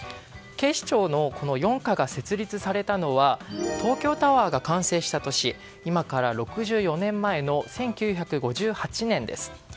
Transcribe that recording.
警視庁の４課が設立されたのは東京タワーが完成した年今から６４年前の１９５８年です。